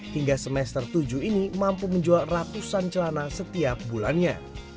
hingga semester tujuh ini mampu menjual ratusan celana setiap bulannya